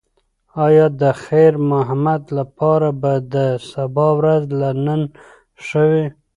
ایا د خیر محمد لپاره به د سبا ورځ له نن ښه وي؟